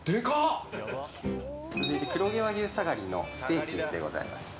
続いて、黒毛和牛サガリのステーキでございます。